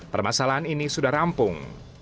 permasalahan ini sudah rampung